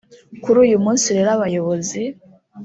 Kuri uyu munsi rero abayobozi